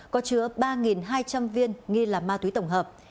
có chứa ba hai trăm linh viên nghi là ma túy tổng hợp